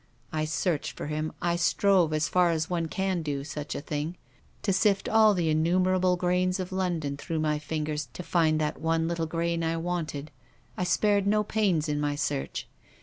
I searched for him, I strove, as far as one can do such a thing, to sift all the innumerable grains of London through my fingers to find that one little grain I wanted. I spared no pains in my search.